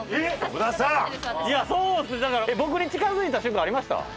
えっ僕に近づいた瞬間ありました？